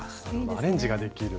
アレンジができる。